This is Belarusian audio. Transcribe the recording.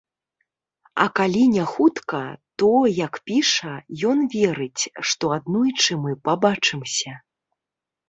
А калі не хутка, то, як піша, ён верыць, што аднойчы мы пабачымся.